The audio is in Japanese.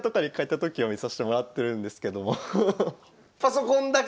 でもパソコンだけ？